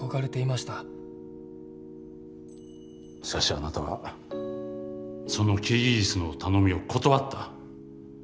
しかしあなたはそのキリギリスの頼みを断った。